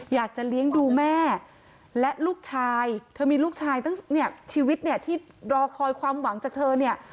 อยากจะเลี้ยงดูแม่และลูกชายเธอมีลูกชายตั้งเนี่ยชีวิตเนี่ยที่รอคอยความหวังจากเธอเนี่ย